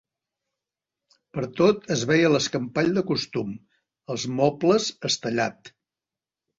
Pertot es veia l'escampall de costum, els mobles estellat